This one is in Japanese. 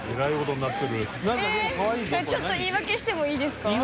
ちょっと言い訳してもいいですか？